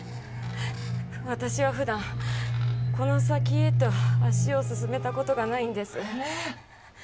私は普段、この先へと足を進めたことがないんです。